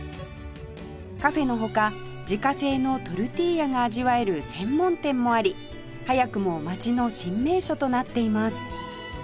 カフェの他自家製のトルティーヤが味わえる専門店もあり早くも街の新名所となっています